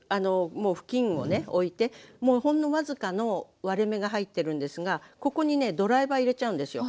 もうふきんをね置いてもうほんの僅かの割れ目が入ってるんですがここにねドライバー入れちゃうんですよ。